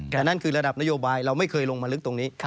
แต่นั่นคือระดับนโยบายเราไม่เคยลงมาลึกตรงนี้